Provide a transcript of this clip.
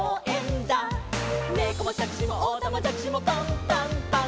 「ねこもしゃくしもおたまじゃくしもパンパンパン！！」